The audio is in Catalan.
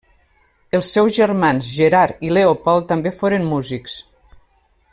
Els seus germans Gerard i Leopold també foren músics.